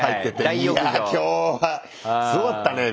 いや今日はすごかったねみたいな。